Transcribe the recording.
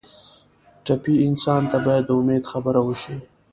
ټپي انسان ته باید د امید خبره وشي.